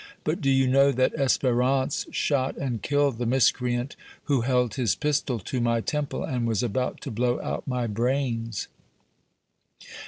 But do you know that Espérance shot and killed the miscreant who held his pistol to my temple and was about to blow out my brains?"